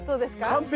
完璧。